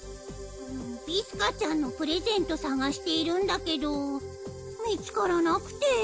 ビスカちゃんのプレゼント探しているんだけど見つからなくて。